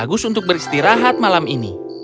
yang bagus untuk beristirahat malam ini